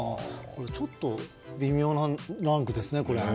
ちょっと微妙なランキングですね。